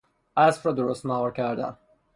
اسب را درست مهار کردن